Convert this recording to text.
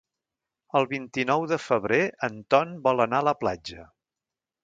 El vint-i-nou de febrer en Ton vol anar a la platja.